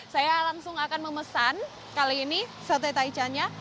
saya langsung akan memesan kali ini sate taichannya